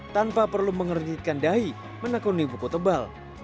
tanpa perlu mengeringitkan dahi menakuni buku tebal